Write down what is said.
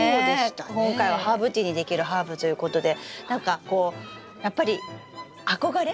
今回はハーブティーにできるハーブということでなんかこうやっぱり憧れ？